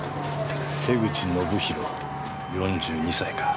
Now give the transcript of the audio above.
瀬口信大４２歳か。